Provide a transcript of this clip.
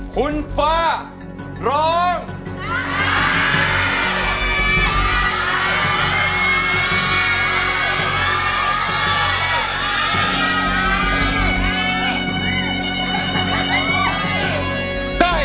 คุณฟ้าร้องได้